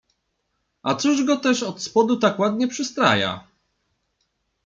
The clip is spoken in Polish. A cóż go też od spodu tak ładnie przystraja?